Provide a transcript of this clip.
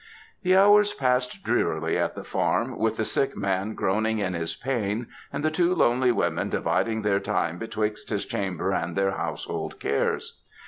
The hours passed drearily at the farm, with the sick man groaning in his pain, and the two lonely women dividing their time betwixt his chamber and their household cares.